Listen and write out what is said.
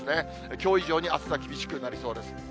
きょう以上に暑さ厳しくなりそうです。